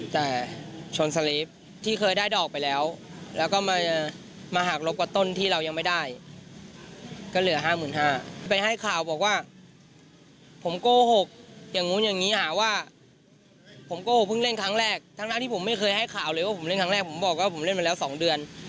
ทั้งที่ผมไม่เคยให้ข่าวเลยว่าผมเล่นครั้งแรกผมบอกว่าผมเล่นมาแล้ว๒เดือน